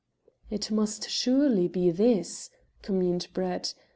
"It must surely be this," communed Brett.